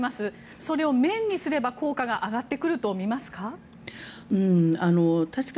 それを面にすれば効果が上がってくると思いますか？